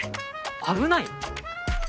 危ない？